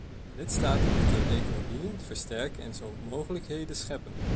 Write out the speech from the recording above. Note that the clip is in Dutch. Lidstaten moeten hun economieën versterken en zo mogelijkheden scheppen.